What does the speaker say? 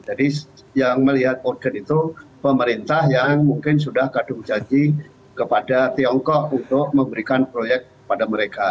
jadi yang melihat urgent itu pemerintah yang mungkin sudah kadung janji kepada tiongkok untuk memberikan proyek pada mereka